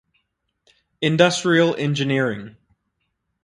Industrial Engineering.